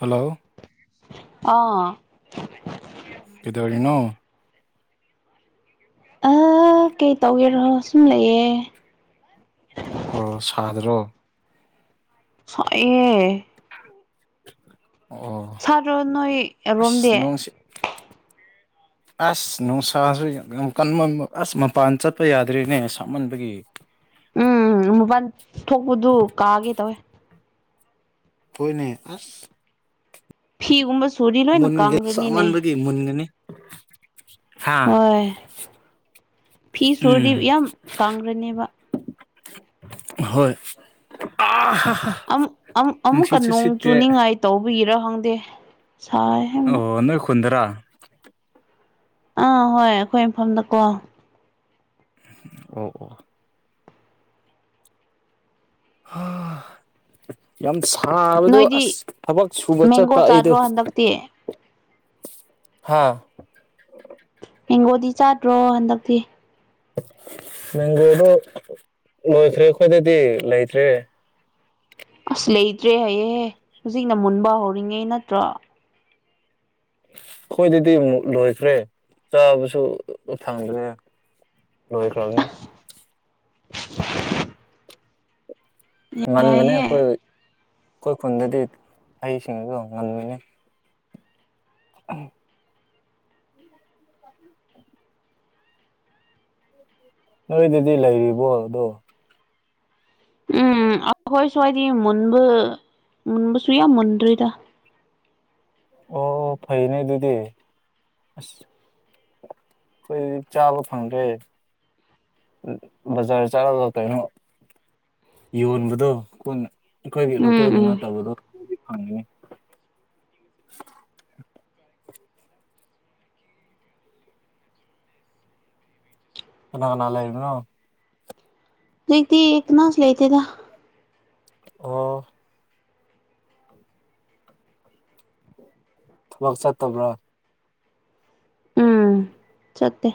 Hello. ꯑꯥ꯫ ꯀꯗꯣꯔꯤꯅꯣ꯫ ꯑ ꯀꯩ ꯇꯧꯒꯦꯔꯣ ꯁꯨꯝ ꯂꯩꯌꯦ꯫ ꯑꯣ ꯁꯥꯗ꯭ꯔꯣ ꯁꯥꯏꯑꯦ꯫ ꯑꯣ ꯁꯥꯗ꯭ꯔꯣ ꯅꯣꯏ ꯑꯁ ꯔꯣꯝꯗꯤ ꯅꯣꯡꯁꯤ ꯑꯁ ꯅꯨꯡꯁꯥꯁꯨ ꯌꯥꯝ ꯀꯟꯕ ꯑꯁ ꯃꯄꯥꯟ ꯆꯠꯄ ꯌꯥꯗ꯭ꯔꯦꯅꯦ ꯁꯥꯞꯃꯟꯕꯒꯤ꯫ ꯎꯝ ꯃꯄꯜ ꯊꯣꯛꯄꯗꯨ ꯀꯥꯒꯦ ꯇꯧꯋꯦ꯫ ꯍꯣꯏꯅꯦ ꯑꯁ꯫ ꯐꯤꯒꯨꯝꯕ ꯁꯨꯗꯤ ꯂꯣꯏꯅ ꯀꯪꯈ꯭ꯔꯅꯤꯅꯦ꯫ ꯃꯟꯒꯅꯤ꯫ ꯍꯣꯏ ꯐꯤ ꯁꯨꯔꯗꯤ ꯎꯝ ꯌꯥꯝ ꯀꯪꯈ꯭ꯔꯅꯦꯕ꯫ ꯍꯣꯏ ꯑꯥꯍꯥ ꯑꯃꯨꯛꯀ ꯅꯣꯡ ꯆꯨꯅꯤꯡꯉꯥꯏ ꯇꯧꯕꯤꯒꯤꯔ ꯈꯪꯗꯦ ꯁꯥꯏ꯫ ꯌꯥꯝꯅ ꯑꯣ ꯅꯣꯏ ꯈꯨꯨꯟꯗꯔꯥ꯫ ꯑꯥ ꯍꯣꯏ ꯑꯩꯈꯣꯏ ꯏꯝꯐꯝꯗꯀꯣ꯫ ꯑꯣ ꯑꯣ ꯑꯥ ꯌꯥꯝ ꯁꯥꯕꯗꯣ ꯅꯣꯏꯗꯤ ꯑꯁ ꯊꯕꯛ ꯁꯨꯕ ꯃꯦꯡꯒꯣ ꯆꯠꯄ ꯑꯩꯗꯨ꯫ ꯆꯥꯗ꯭ꯔꯣ ꯍꯟꯗꯛꯇꯤ ꯍꯥꯥ ꯍꯦꯡꯒꯣꯗꯤ ꯆꯥꯗ꯭ꯔꯣ ꯍꯟꯗꯛꯇꯤ꯫ ꯃꯦꯡꯒꯣꯗꯣ ꯂꯣꯏꯈ꯭ꯔꯦ ꯑꯩꯈꯣꯏꯗꯗꯤ ꯂꯩꯇ꯭ꯔꯦ꯫ ꯑꯁ ꯂꯩꯇ꯭ꯔꯦ ꯍꯌꯦꯑꯦꯍꯦ ꯍꯧꯖꯤꯛꯅ ꯃꯨꯟꯕ ꯍꯧꯔꯤꯉꯩ ꯅꯠꯇ꯭ꯔꯣ꯫ ꯑꯈꯣꯏꯗꯗꯤ ꯑꯃꯨꯛ ꯂꯣꯏꯈ꯭ꯔꯦ ꯆꯥꯕꯁꯨ ꯐꯪꯗ꯭ꯔꯦ꯫ ꯂꯣꯏꯈꯔꯝꯅꯤ꯫ [unintelligible] ꯉꯟꯕꯅꯦ ꯌꯥꯏꯍꯦ ꯑꯈꯣꯏ ꯈꯣꯏ ꯈꯨꯟꯗꯗꯤ ꯍꯩꯁꯤꯡꯗꯣ ꯉꯟꯕꯅꯤ꯫ [unintelligible] [inaudible] [inaudible] ꯅꯣꯏꯗꯗꯤ ꯂꯩꯔꯤꯕꯣ ꯑꯗꯣ ꯎꯝ ꯑꯈꯣꯏ ꯁ꯭ꯋꯥꯏꯗꯤ ꯃꯨꯟꯕ ꯃꯨꯟꯕꯁꯨ ꯌꯥꯝ ꯃꯨꯟꯗ꯭ꯔꯤꯗ꯫ ꯑꯣ ꯐꯩꯅꯦ ꯑꯗꯨꯗꯤ ꯑꯁ꯫ ꯈꯣꯏꯗꯤ ꯆꯥꯕ ꯐꯪꯗ꯭ꯔꯦ꯫ ꯕꯖꯥꯔ ꯆꯠꯂꯒ ꯀꯩꯅꯣ ꯌꯣꯟꯕꯗꯣ ꯄꯨꯟꯅ ꯑꯈꯣꯏꯒꯤ ꯎꯝ ꯂꯣꯀꯦꯜꯒꯤ ꯎꯝ ꯅꯠꯇꯕꯗꯣ ꯗꯨꯗꯤ ꯐꯪꯉꯦ [inaudible] ꯀꯅꯥ ꯀꯅꯥ ꯂꯩꯕꯅꯣ꯫ ꯍꯧꯖꯤꯛꯇꯤ ꯀꯅꯥꯁꯨ ꯂꯩꯇꯦꯗ꯫ ꯑꯣ ꯊꯕꯛ ꯆꯠꯇꯕ꯭ꯔꯥ꯫ ꯎꯝ ꯆꯠꯇꯦ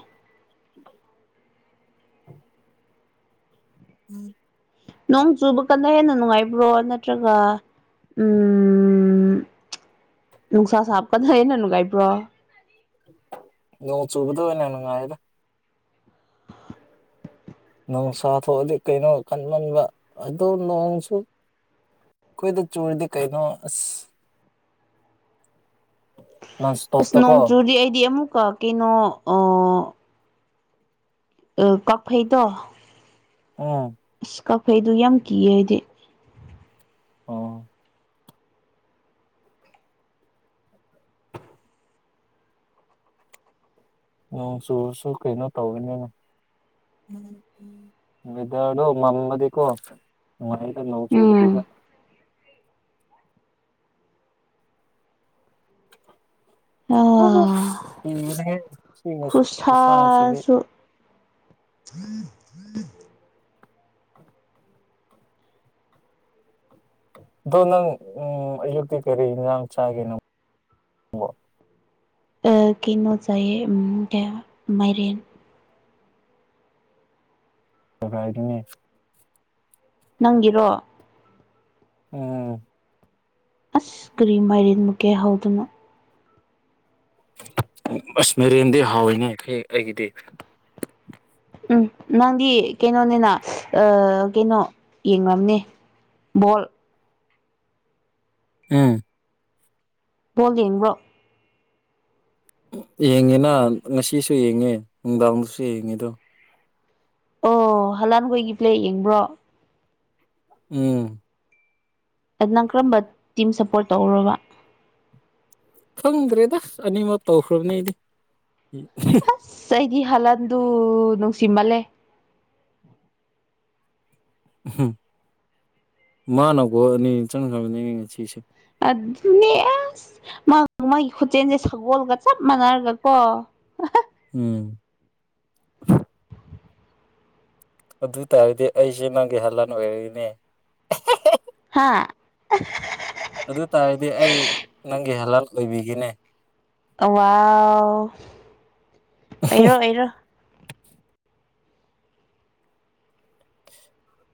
[unintelligible] ꯅꯣꯡ ꯆꯨꯕ ꯀꯥꯟꯗ ꯍꯦꯟꯅ ꯅꯨꯡꯉꯥꯏꯕ꯭ꯔꯣ ꯅꯠꯇ꯭ꯔꯒ ꯎꯝ ꯅꯨꯡꯁꯥ ꯁꯥꯞꯄꯅ ꯍꯦꯟꯅ ꯅꯨꯡꯉꯥꯏꯕ꯭ꯔꯣ ꯅꯣꯡ ꯆꯨꯕꯗꯣ ꯑꯣꯏꯅ ꯅꯨꯡꯉꯥꯏꯌꯦꯗ ꯅꯣꯡꯁꯥ ꯊꯣꯛꯑꯗꯤ ꯀꯩꯅꯣ ꯀꯟꯃꯟꯕ ꯑꯗꯨ ꯅꯣꯡꯁꯨ ꯈꯣꯏꯗ ꯆꯨꯔꯗꯤ ꯀꯩꯅꯣ ꯑꯁ ꯅꯟ ꯑꯁ ꯏꯁꯇꯣꯞꯇꯀꯣ ꯅꯣꯡꯆꯨꯔꯗꯤ ꯑꯩꯗꯤ ꯑꯃꯨꯛꯀ ꯀꯩꯅꯣ ꯑ ꯑ ꯀꯥꯛꯐꯩꯗꯣ ꯑꯣ ꯑꯁ ꯀꯥꯛꯐꯩꯗꯨ ꯌꯥꯝ ꯀꯤꯌꯦ ꯑꯩꯗꯤ ꯑꯣ ꯅꯣꯡ ꯆꯨꯔꯁꯨ ꯀꯩꯅꯣ ꯇꯧꯕꯅꯤꯅꯦ ꯋꯦꯗꯔꯗꯣ ꯃꯝꯃꯗꯤ ꯀꯣ ꯅꯨꯡꯉꯥꯏꯌꯦꯗ ꯅꯣꯡ ꯎꯝ ꯆꯨꯨꯗꯕꯤꯗ [inaudible] [unintelligible] [unintelligible] ꯈꯨꯁꯥꯁꯤꯗꯤ ꯈꯨꯁꯥꯁꯨ [inaudible] ꯗꯣ ꯅꯪ ꯎꯝ ꯑꯌꯨꯛꯇꯤ ꯀꯔꯤ ꯏꯟꯖꯥꯡ ꯆꯥꯒꯦ ꯅꯪ ꯑꯥ ꯀꯩꯅꯣ ꯆꯥꯏꯌꯦ ꯎꯝ ꯃꯥꯏꯔꯦꯟ [unintelligible] ꯅꯪꯒꯤꯔꯣ ꯎꯝ ꯑꯁ ꯀꯔꯤ ꯃꯥꯏꯔꯦꯟꯕꯨ ꯀꯩ ꯍꯥꯎꯗꯅ ꯑꯁ ꯃꯦꯔꯦꯟꯗꯤ ꯍꯥꯎꯋꯤꯅꯦ ꯍꯦ ꯑꯩꯒꯤꯗꯤ ꯎꯝ ꯅꯪꯗꯤ ꯀꯩꯅꯣꯅꯤꯅ ꯑꯥ ꯀꯩꯅꯣ ꯌꯦꯡꯉꯝꯅꯤ ꯕꯣꯜ ꯎꯝ ꯕꯣꯜ ꯌꯦꯡꯕ꯭ꯔꯣ ꯌꯦꯡꯉꯦꯅ ꯉꯁꯤꯁꯨ ꯌꯦꯡꯉꯦ ꯅꯨꯡꯗꯥꯡꯗꯁꯨ ꯌꯦꯡꯉꯦ ꯗꯣ ꯑꯣ ꯍꯂꯥꯟꯈꯣꯏꯒꯤ ꯄ꯭ꯂꯦ ꯌꯦꯡꯕ꯭ꯔꯣ ꯎꯝ ꯅꯪ ꯀꯔꯝꯕ ꯇꯤꯝ ꯁꯞꯄꯣꯔꯠ ꯇꯧꯔꯕ ꯈꯪꯗ꯭ꯔꯦꯗꯁ ꯑꯅꯤꯃꯛ ꯇꯧꯈ꯭ꯔꯕꯅꯦ ꯑꯩꯗꯤ ꯑꯁ ꯑꯩꯗꯤ ꯍꯜꯍꯟꯗꯨ ꯅꯨꯡꯁꯤꯃꯜꯂꯦ ꯎꯝ ꯃꯥꯅꯀꯣ ꯑꯅꯤ ꯆꯪꯈ꯭ꯔꯕꯅꯤ ꯉ ꯁꯤꯁꯦ ꯑꯗꯨꯅꯦ ꯃꯥ ꯃꯥꯒꯤ ꯈꯨꯆꯦꯟꯁꯦ ꯁꯒꯣꯜꯒ ꯆꯞ ꯃꯥꯟꯅꯔꯒ ꯀꯣ ꯎꯝ ꯑꯗꯨ ꯇꯥꯔꯗꯤ ꯑꯩꯁꯦ ꯅꯪꯒꯤꯍꯥꯟ ꯂꯥꯟ ꯑꯣꯏꯔꯛꯏꯅꯦ ꯍꯥꯥ ꯑꯗꯨ ꯇꯥꯔꯗꯤ ꯑꯩ ꯅꯪꯒꯤ ꯍꯦꯜꯂꯞ ꯂꯩꯕꯤꯈꯤꯅꯦ ꯑ ꯑꯩꯔꯣ ꯑꯩꯔꯣ [unintelligible]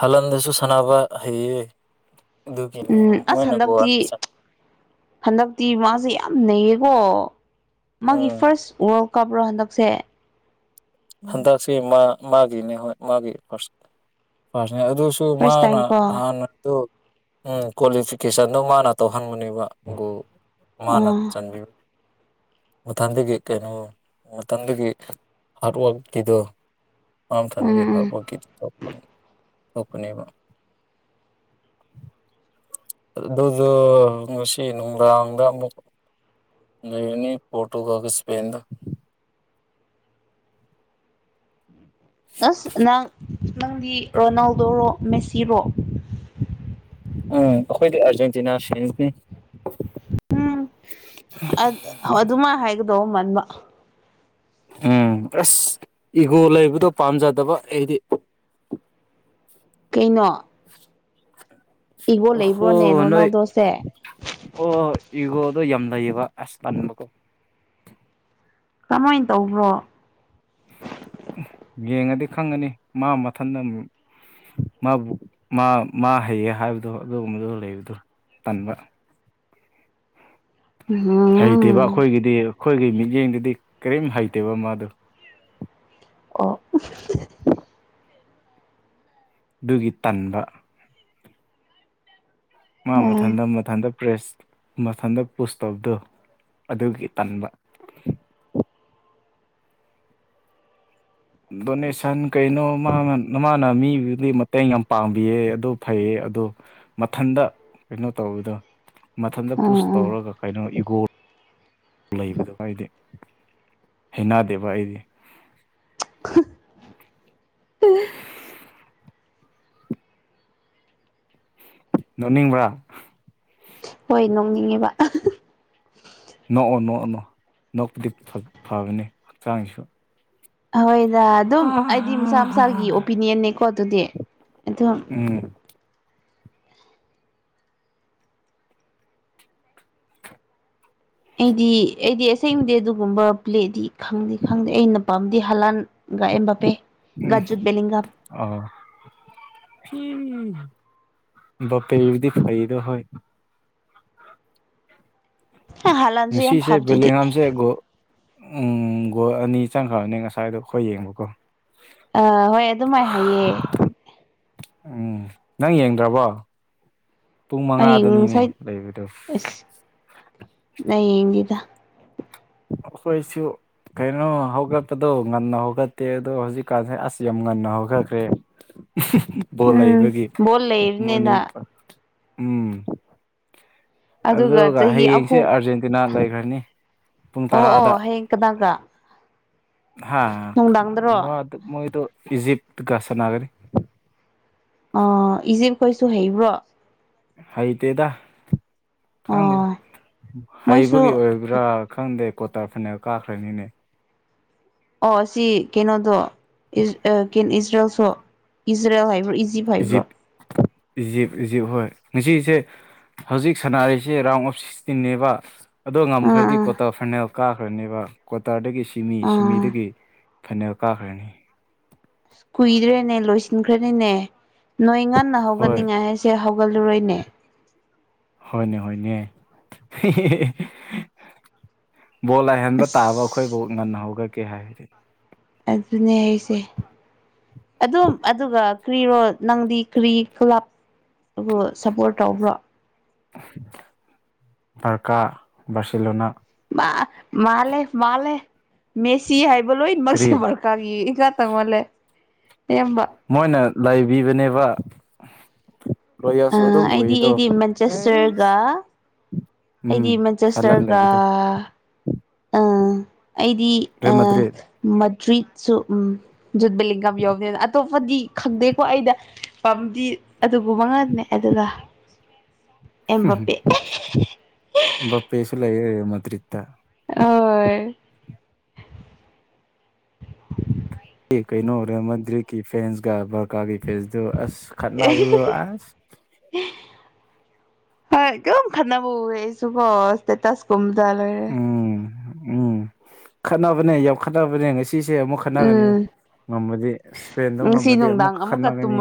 ꯍꯜꯂꯟꯗꯁꯨ ꯁꯥꯟꯅꯕ ꯍꯩꯌꯦ ꯑꯗꯨꯒꯤꯅꯦ ꯎꯝ ꯑꯁ ꯃꯣꯏꯅ ꯍꯟꯗꯛꯇꯤ ꯀꯣꯅꯤ ꯍꯟꯗꯛꯇꯤ ꯃꯥꯁꯦ ꯌꯥꯝ ꯅꯩꯌꯦꯀꯣ ꯃꯥꯒꯤ ꯎꯝ ꯐꯥꯔꯁ ꯋꯥꯔꯜ ꯀꯄ꯭ꯔꯣ ꯍꯟꯗꯛꯁꯦ ꯍꯟꯗꯛꯁꯤ ꯃꯥ ꯃꯥꯒꯤꯅꯦ ꯍꯣꯏ ꯃꯥꯒꯤꯥꯔ ꯅꯦ ꯑꯗꯨꯁꯨ ꯐꯥꯔꯁ ꯃꯥꯅ ꯇꯥꯏꯝ ꯀꯣ ꯑꯣ ꯍꯥꯟꯅꯗꯨ ꯎꯝ ꯀ꯭ꯋꯥꯂꯤꯐꯤꯀꯦꯁꯟꯗꯨ ꯃꯥꯅ ꯇꯧꯍꯟꯕꯕꯒ ꯃꯥꯅ ꯎꯝ ꯆꯟꯕꯤꯌꯨ ꯃꯊꯪꯗꯒꯤ ꯀꯩꯅꯣ ꯃꯊꯗꯒꯤ ꯍꯥꯔꯠꯋꯥꯔꯛꯀꯤꯗꯣ ꯑꯝꯇꯥꯟꯒꯤ ꯎꯝ ꯍꯄꯒ ꯎꯄꯅꯤꯃ ꯑꯗꯨꯗꯨ ꯃꯁꯤꯟ ꯎꯗ ꯂꯩꯅꯤ ꯄꯣꯔꯇꯨꯒꯜꯒꯥ ꯏꯁꯄꯦꯅꯒ ꯑꯁ ꯅꯪ ꯅꯪꯗꯤ ꯔꯣꯅꯥꯜꯗꯣꯣꯔꯣ ꯃꯦꯁꯤꯔꯣ ꯎꯝ ꯑꯩꯈꯣꯏꯗꯤ ꯑꯥꯔꯖꯦꯟꯇꯤꯅꯥ ꯐ꯭ꯔꯦꯟꯁꯅꯤ ꯑꯗꯨꯃ ꯍꯥꯏꯒꯗꯧꯕ ꯃꯟꯕ ꯎꯝ ꯑꯁ ꯏꯒꯣ ꯂꯩꯕꯗꯣ ꯄꯥꯝꯖꯗꯕ ꯑꯩꯗꯤ [unintelligible] ꯀꯩꯅꯣ ꯏꯒꯣ ꯑꯣ ꯍꯣ ꯂꯩꯕ꯭ꯔꯣꯅꯦ ꯅꯣꯏꯣꯏ ꯔꯣꯅꯥꯜꯗꯣꯁꯦ ꯑꯣꯣꯏ ꯏꯒꯣꯗꯣ ꯌꯥꯝ ꯂꯩꯌꯦꯕ ꯑꯁ ꯂꯟꯕꯀꯣ ꯀꯃꯥꯏꯅ ꯇꯧꯕ꯭ꯔꯣ ꯌꯦꯡꯉꯗꯤ ꯈꯪꯉꯅꯤ ꯃꯥ ꯃꯊꯟꯇ ꯃꯥꯕꯨ ꯃꯥ ꯍꯩꯌꯦ ꯍꯥꯏꯕꯗꯣ ꯑꯗꯨꯒꯨꯝꯕꯗꯨ ꯂꯩꯕꯗꯨ ꯇꯟꯕ ꯎꯝ [unintelligible] ꯍꯩꯇꯦꯕ ꯑꯩꯈꯣꯏꯒꯤꯗꯤ ꯑꯩꯈꯣꯏꯒꯤ ꯃꯤꯠꯌꯦꯡꯗꯨꯗꯤ ꯀꯔꯤꯝ ꯍꯩꯇꯦꯕ ꯃꯥꯗꯨ ꯑꯣ ꯑꯗꯨꯒꯤ ꯇꯟꯕ ꯃꯥ ꯎꯝ ꯃꯊꯟꯇ ꯃꯊꯟꯇ ꯄ꯭ꯔꯦꯁ ꯃꯊꯟꯇ ꯄꯨꯁ ꯇꯧꯕꯗꯣ ꯑꯗꯨꯒꯤ ꯇꯟꯕ ꯗꯣꯅꯦꯁꯟ ꯀꯩꯅꯣ ꯃꯥ ꯃꯥꯅ ꯃꯤꯗꯨꯗꯤ ꯃꯇꯦꯡ ꯌꯥꯝ ꯄꯥꯡꯕꯤꯌꯦ ꯑꯗꯨ ꯐꯩꯌꯦ ꯑꯣ ꯃꯊꯟꯗ ꯀꯩꯅꯣ ꯇꯧꯕꯗ ꯃꯊꯟꯇ ꯄꯨꯁ ꯎꯝ ꯎꯝ ꯇꯧꯔꯒ ꯀꯩꯅꯣ ꯏꯒꯣꯔ ꯂꯩꯕꯗꯨ ꯑꯩꯗꯤ ꯍꯩꯅꯗꯦꯕ ꯑꯩꯗꯤ ꯅꯅꯤꯡꯕ꯭ꯔꯥ ꯍꯣꯏ ꯅꯣꯡꯅꯤꯡꯉꯤꯕ ꯅꯣꯛꯑꯣ ꯅꯣꯛꯑꯣꯅꯣ ꯅꯣꯛꯄꯗꯤ ꯐꯒꯅꯤ ꯍꯛꯆꯥꯡꯁꯨ ꯍꯣꯏꯗ ꯑꯗꯨꯝ ꯑꯩꯗꯤ ꯃꯁꯥ ꯃꯁꯥꯒꯤ ꯑꯣꯄꯤꯅꯤꯌꯟꯅꯦꯀꯣ ꯑꯗꯨꯗꯤ ꯑꯗꯨꯝ ꯎꯝ ꯑꯩꯗꯤ ꯑꯩꯗꯤ ꯑꯁꯦꯡꯕꯗꯤ ꯑꯗꯨꯒꯨꯝꯕ ꯄ꯭ꯂꯦꯗꯤ ꯈꯪꯗꯦ ꯈꯪꯗꯦ ꯑꯩꯅ ꯄꯥꯝꯗꯤ ꯍꯂꯥꯟ ꯑꯦꯕ ꯄꯦ ꯒꯖꯨꯕꯦꯂꯤꯒ ꯑ ꯕꯄꯦꯜꯗꯤ ꯐꯩꯗꯣ ꯍꯣꯏ ꯍꯂꯥꯟꯁꯨ ꯌꯥꯝ ꯉꯅꯨꯡꯁꯤꯁꯦ ꯐꯕꯗꯨꯗꯤ ꯕꯦꯂꯉꯝꯁꯦ ꯎꯝ ꯒꯣꯜ ꯑꯅꯤ ꯆꯪꯈ꯭ꯔꯕꯅꯦ ꯉꯁꯥꯏꯗꯣ ꯑꯩꯣꯏ ꯌꯦꯡꯕꯀꯣ ꯑ ꯍꯣꯏ ꯑꯗꯨꯃꯥꯏ ꯍꯥꯏꯌꯦ꯫ ꯎꯝ ꯅꯪ ꯌꯦꯡꯗ꯭ꯔꯕꯣ꯫ ꯄꯨꯡ ꯑꯩ ꯃꯉꯥꯗꯅꯤꯅꯦ ꯉꯁꯥꯏ ꯂꯩꯕꯗꯨ꯫ ꯅꯩ ꯌꯦꯡꯗꯦꯗ ꯑꯈꯣꯏꯁꯨ ꯀꯩꯅꯣ ꯍꯧꯒꯠꯄꯗꯣ ꯉꯟꯅ ꯍꯧꯒꯠꯇꯦ ꯑꯗꯣ ꯍꯧꯖꯤꯛꯀꯥꯟꯁꯦ ꯑꯁ ꯌꯥꯝ ꯉꯟꯅ ꯍꯧꯒꯠꯈ꯭ꯔꯦ꯫ ꯕꯣꯜ ꯎꯝ ꯂꯩꯕꯒꯤ ꯕꯣꯜ ꯃꯣꯔꯅꯤꯡ ꯂꯩꯕꯅꯤꯅ ꯎꯝ꯫ ꯑꯗꯨꯒ ꯆꯍꯤ ꯍꯌꯦꯡꯁꯦ ꯑꯍꯨꯝ ꯑꯥꯔꯖꯦꯟꯇꯤꯅꯥ ꯂꯩꯈ꯭ꯔꯅꯤ ꯄꯨꯡ ꯑꯣ ꯑꯣ ꯇꯔꯥꯗ ꯍꯌꯦꯡ ꯀꯅꯥꯒ꯫ ꯍꯥ ꯅꯨꯡꯗꯥꯡꯗꯔꯣ ꯃꯥꯗꯣ ꯃꯣꯏꯗꯣ ꯏꯖꯤꯞꯇꯒ ꯁꯟꯅꯒꯔꯤ꯫ ꯑ ꯏꯖꯤꯞꯈꯣꯏꯁꯨ ꯍꯩꯕ꯭ꯔꯣ꯫ ꯍꯩꯇꯦꯗ ꯈꯪꯗꯦ ꯑꯣ ꯃꯣꯏꯁꯨ ꯍꯩꯕꯒꯤ ꯑꯣꯏ ꯄꯨꯔꯥ ꯈꯪꯗꯦ ꯀꯣꯇꯥꯔ ꯐꯅꯦꯜ ꯀꯥꯈ꯭ꯔꯅꯤꯅꯦ꯫ ꯑꯣ ꯁꯤ ꯀꯩꯅꯣꯗꯣ ꯏꯖꯔꯦꯜꯒꯤ ꯏꯖꯔꯦꯜꯁꯨ ꯏꯖꯔꯦꯜ ꯍꯥꯏꯕ꯭ꯔꯥ ꯏꯖꯤꯞ ꯍꯥꯏꯕ꯭ꯔꯣ ꯏꯖꯤꯞ ꯏꯖꯤꯞ ꯏꯖꯤꯞ ꯍꯣꯏ ꯉꯁꯤꯁꯦ ꯍꯧꯖꯤꯛ ꯁꯥꯟꯅꯔꯤꯁꯤ ꯔꯥꯎꯟ ꯑꯣꯐ ꯁꯤꯛꯁꯇꯤꯟꯅꯦꯕ꯫ ꯑꯗꯣ ꯑꯥ ꯉꯝꯈ꯭ꯔꯗꯤ ꯑꯥ ꯀ꯭ꯋꯥꯇꯔ ꯐꯥꯏꯅꯦꯜ ꯀꯥꯈ꯭ꯔꯅꯦꯕ ꯀ꯭ꯋꯥꯇꯔꯗꯒꯤ꯫ ꯆꯤꯃꯤ ꯑꯥ ꯁꯤꯃꯤꯗꯒꯤ ꯐꯥꯏꯅꯦꯜ ꯀꯥꯈ꯭ꯔꯅꯤ꯫ ꯀꯨꯏꯗ꯭ꯔꯦꯅꯦ ꯂꯣꯏꯁꯤꯟꯈ꯭ꯔꯅꯤꯅꯦ꯫ ꯅꯣꯏ ꯉꯟꯅ ꯍꯣꯏ ꯍꯧꯒꯠꯅꯤꯡꯉꯥꯏ ꯁꯦ ꯍꯧꯒꯠꯂꯨꯔꯣꯏꯅꯦ꯫ ꯍꯣꯏꯅꯦ ꯍꯣꯏꯅꯦ꯫ ꯕꯣꯜ ꯂꯥꯏꯍꯟꯕ ꯇꯥꯕ ꯑꯁ ꯑꯈꯣꯏꯕꯨ ꯉꯟꯅ ꯍꯧꯒꯛꯀꯦ ꯍꯥꯏꯔꯗꯤ꯫ ꯑꯗꯨꯅꯦ ꯑꯩꯁꯦ ꯑꯗꯨꯝ ꯑꯗꯨꯒ ꯀ꯭ꯔꯤꯔꯣ ꯅꯪꯗꯤ ꯀ꯭ꯔꯤ ꯀ꯭ꯂꯞ ꯕꯨ ꯁꯞꯄꯣꯔꯠ ꯇꯧꯕ꯭ꯔꯣ꯫ ꯄꯔꯀꯥ ꯕꯥꯔꯁꯤꯂꯣꯅ꯫ ꯃꯥ ꯃꯥꯂꯦ ꯃꯥꯜꯂꯦ ꯃꯦꯁꯤ ꯍꯥꯏꯕ ꯀꯔꯤ ꯂꯣꯏꯃꯛꯁꯦꯕ ꯀꯔꯤ ꯏꯛ ꯂꯥ ꯇꯧꯃꯜꯂꯦ ꯅꯤꯝꯕ ꯃꯣꯏꯅ ꯂꯩꯕꯤꯕꯅꯦꯕ꯫ ꯂꯣꯏꯌꯥꯜꯁꯨ ꯑꯗꯨꯝ ꯑꯩꯗꯤ ꯑꯣꯏꯗꯣ ꯑꯩꯗꯤ ꯑꯩꯁ꯫ ꯃꯦꯟꯆꯦꯁꯇꯔꯒ ꯑꯩꯗꯤ ꯎꯝ ꯍꯂꯥꯟ ꯃꯖꯁꯇꯔꯒ꯫ ꯂꯩꯕꯗꯣ ꯑ ꯑꯩꯗꯤ ꯑ ꯔꯦꯜ ꯃꯗ꯭ꯔꯤꯠ ꯃꯗ꯭ꯔꯤꯠꯁꯨ ꯎꯝ꯫ ꯖꯨꯠꯕꯦꯂꯤꯡꯒꯝ ꯌꯥꯎꯕꯦꯅ ꯑꯇꯣꯞꯄꯗꯤ ꯈꯪꯗꯦꯀꯣ ꯑꯩꯗ꯫ ꯄꯥꯝꯗꯤ ꯑꯗꯨꯕꯨ ꯃꯉꯥꯜꯅꯦ ꯑꯗꯨꯒ ꯑꯦꯝꯕꯄꯦ ꯕꯄꯦꯁꯨ ꯂꯩꯏ ꯃꯥꯗ꯭ꯔꯤꯠꯇ꯫ ꯑ ꯑꯣꯏ ꯑꯦ ꯀꯩꯅꯣ ꯃꯟꯗ꯭ꯔꯤꯛꯀꯤ ꯐꯦꯟꯁꯀ ꯕꯔꯀꯥꯒꯤ ꯐꯦꯟꯁꯇꯣ ꯑꯁ ꯈꯠꯅꯕꯗꯣ ꯑꯁ꯫ [unintelligible] ꯍꯣꯏ ꯀꯨꯝ ꯈꯠꯅꯕ ꯎꯏꯌꯦ ꯑꯩꯁꯨꯀꯣ ꯏꯁꯇꯦꯇꯥꯁ ꯀꯨꯝꯕꯗ ꯂꯣꯏꯔꯦ꯫ ꯎꯝ ꯎꯝ ꯈꯠꯅꯕꯅꯦ ꯌꯥꯝꯈꯠꯅꯕꯅꯦ ꯉꯁꯤꯁꯦ ꯑꯃꯨꯛ꯫ ꯈꯠꯅꯒꯅꯤ ꯎꯝ ꯉꯝꯃꯗꯤ ꯏꯁꯄꯦꯟꯗꯣ ꯉꯁꯤ ꯉꯝꯃꯗꯤ ꯑꯃꯨꯛ ꯅꯨꯡꯗꯥꯡ ꯑꯃꯨꯛꯀ ꯈꯠꯅꯒꯅꯤ꯫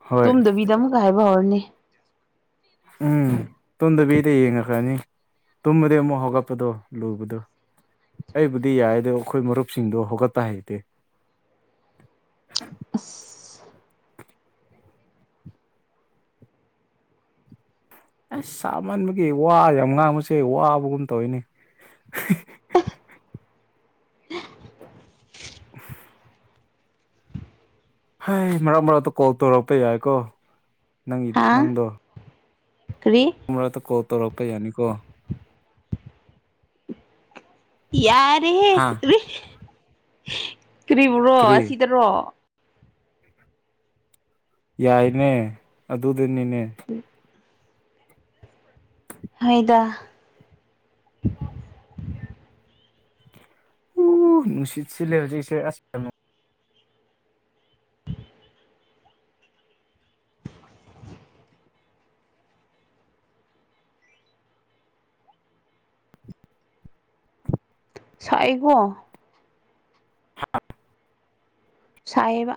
ꯍꯣꯏ ꯑꯗꯨꯕꯤꯗ ꯑꯃꯨꯛꯀ ꯍꯥꯏꯕ ꯍꯧꯔꯅꯤ꯫ ꯎꯝ ꯇꯨꯝꯗꯕꯤꯗ ꯌꯦꯉ ꯀꯅꯤ꯫ ꯇꯨꯝꯃꯗꯤ ꯑꯃꯨꯛ ꯍꯧꯒꯠꯄꯗꯣ ꯂꯨꯕꯗꯣ꯫ ꯑꯩꯕꯨꯗꯤ ꯌꯥꯏ ꯑꯗꯣ ꯑꯈꯣꯏ ꯃꯔꯨꯞꯁꯤꯡꯗꯣ ꯍꯧꯒꯠꯄ ꯍꯩꯇꯦ꯫ ꯑꯁ ꯑꯁ ꯁꯥꯃꯟꯕꯒꯤ ꯋꯥ ꯌꯥꯝ ꯉꯥꯡꯕꯁꯦ ꯋꯥꯕꯒꯨꯝ ꯇꯧꯋꯤꯅꯦ꯫ [unintelligible] ꯍꯩ ꯃꯔꯛ ꯃꯔꯛꯇ ꯀꯣꯜ ꯇꯧꯔꯛꯄ ꯌꯥꯏꯀꯣ ꯅꯪꯒꯤ ꯍꯥ ꯅꯪꯗꯣ꯫ ꯀꯔꯤ ꯃꯔꯛ ꯀꯣꯜ ꯇꯧꯔꯛꯄ ꯌꯥꯅꯤꯀꯣ꯫ ꯌꯥꯔꯦ ꯍꯥ ꯀꯔꯤꯕꯨꯔꯣ ꯀꯔꯤ ꯑꯁꯤꯗꯔꯣ ꯌꯥꯏꯅꯦ ꯑꯗꯨꯗꯅꯤꯅꯦ ꯐꯣꯏꯗ ꯑꯣ ꯅꯨꯡꯁꯤꯠ ꯁꯤ ꯂꯩꯔꯗꯤꯁꯦ ꯑꯁ ꯀꯩꯌꯝ ꯁꯥꯏ ꯑꯦꯒꯣ [inaudible] ꯁꯥꯏꯑꯦꯕ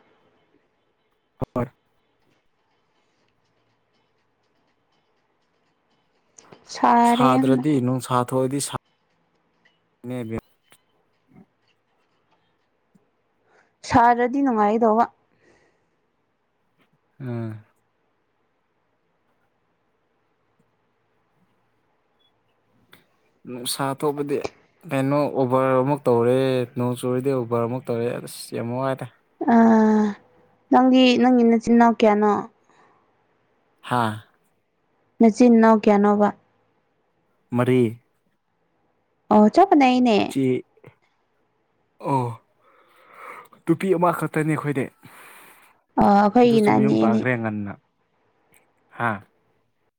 ꯍꯣꯏ ꯁꯥꯔꯦ ꯌꯥꯝꯅ ꯁꯥꯗ꯭ꯔꯗꯤ ꯅꯨꯡꯁꯥ ꯊꯣꯛꯑꯗꯤ ꯁꯥꯔ꯭ꯔꯗꯤ ꯅꯨꯡꯉꯥꯏꯗꯧꯕ ꯎꯝ ꯅꯨꯡꯁꯥ ꯊꯣꯛꯕꯗꯤ ꯀꯩꯅꯣ ꯎꯕꯔ ꯑꯃꯨꯛ ꯇꯧꯔꯦ ꯅꯣꯡ ꯆꯨꯔꯤꯗꯤ ꯎꯕꯔ ꯑꯃꯨꯛ ꯇꯧꯔꯦ ꯑꯁ ꯌꯥꯝ ꯋꯥꯏꯗ ꯑꯑ ꯅꯪꯒꯤ ꯅꯪꯒꯤ ꯅꯆꯤꯟꯅꯥꯎ ꯀꯌꯥꯅꯣ ꯍꯥꯥ ꯃꯆꯤꯟ ꯅꯥꯎ ꯀꯩꯌꯥꯅꯣꯕ ꯃꯔꯤ ꯑꯣ ꯆꯞꯄꯅꯦ ꯑꯩꯅꯦ ꯏꯆꯦ ꯑꯣ ꯅꯨꯄꯤ ꯑꯃꯈꯛꯇꯅꯤ ꯑꯩꯈꯣꯏꯗꯤ ꯑꯥ ꯑꯩꯈꯣꯏꯒꯤꯅ ꯑꯅꯤ ꯑꯗꯨꯁꯨꯃꯌꯨꯝ ꯑꯅꯤ ꯄꯥꯈ꯭ꯔꯦ ꯉꯟꯅ ꯍꯥ